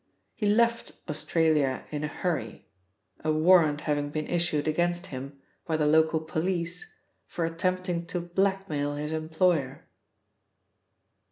He left Australia in a hurry, a warrant having been issued against him by the local police for attempting to blackmail his employer.